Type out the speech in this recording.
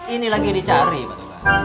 ini lagi dicari pak